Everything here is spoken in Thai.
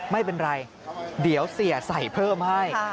ไม่เป็นไรเดี๋ยวเสียใส่เพิ่มให้